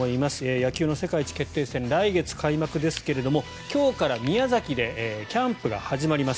野球の世界一決定戦来月開幕ですけれど今日から宮崎でキャンプが始まります。